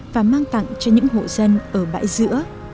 và mang tặng cho những hộ dân ở bãi giữa